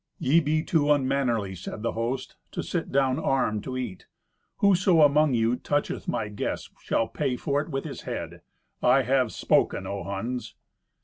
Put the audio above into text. "Ye be too unmannerly," said the host, "to sit down armed to eat. Whoso among you toucheth my guests shall pay for it with his head. I have spoken, O Huns."